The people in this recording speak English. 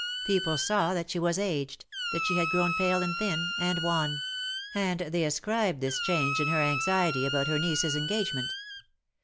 People saw that she was aged, that she had grown pale and thin and wan ; and they ascribed this change in her to anxiety about her niece's engagement.